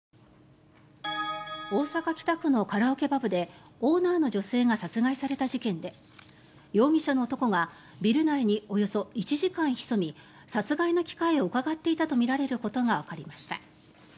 大阪・北区のカラオケパブでオーナーの女性が殺害された事件で容疑者の男がビル内におよそ１時間ひそみ殺害の機会をうかがっていたとみられることがわかりました。